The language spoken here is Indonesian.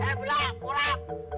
hei belak kurang